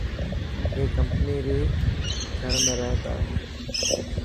اي ڪمپني ري گهر ۾ رهي تا.